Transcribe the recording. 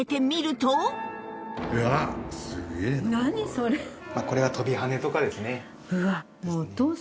そこでこれが飛び跳ねとかですね。